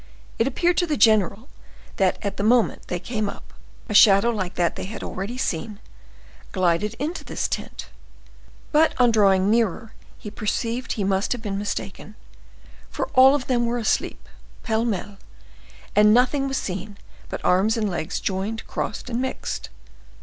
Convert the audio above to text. It appeared to the general that at the moment they came up, a shadow like that they had already seen, glided into this tent; but on drawing nearer he perceived he must have been mistaken, for all of them were asleep pele mele, and nothing was seen but arms and legs joined, crossed, and mixed.